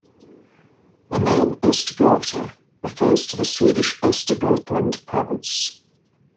The name Östgöta refers to the Swedish Östergötland province.